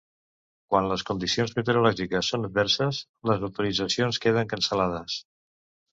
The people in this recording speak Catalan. Quan les condicions meteorològiques són adverses, les autoritzacions queden cancel·lades.